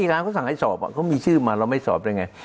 ก็อัยการเขาสั่งให้สอบอ่ะเขามีชื่อมาเราไม่สอบได้ไง